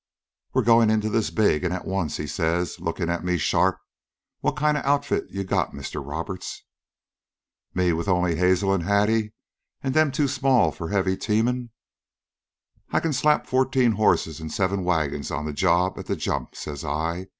"'We're goin' into this big, an' at once,' he says, lookin' at me sharp. 'What kind of an outfit you got, Mr. Roberts?'" "Me! with only Hazel an' Hattie, an' them too small for heavy teamin'. "'I can slap fourteen horses an' seven wagons onto the job at the jump,' says I.